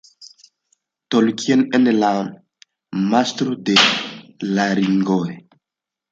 Tolkien en la La Mastro de l' Ringoj.